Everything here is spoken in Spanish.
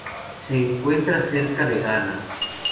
Se encuentra cerca de Ghana.